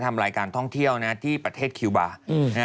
ทำรายการท่องเที่ยวนะที่ประเทศคิวบาร์